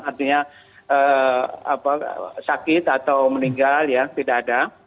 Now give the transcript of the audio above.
artinya sakit atau meninggal ya tidak ada